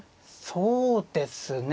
そうですね。